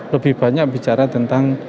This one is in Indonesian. lebih banyak bicara tentang